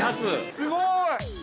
◆すごい！